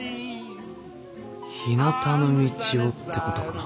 「ひなたの道を」ってことかな。